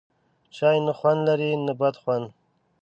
چای، نه خوند لري نه بد خوند